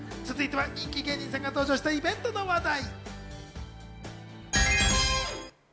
続いては人気芸人さんが登場したイベントの話題。